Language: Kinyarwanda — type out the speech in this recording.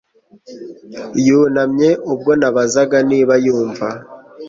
Yunamye ubwo nabazaga niba yumva